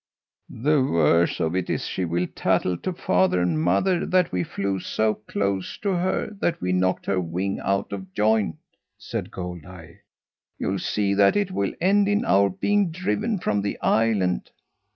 "The worse of it is she will tattle to father and mother that we flew so close to her that we knocked her wing out of joint," said Goldeye. "You'll see that it will end in our being driven from the island!"